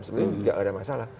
sebenarnya tidak ada masalah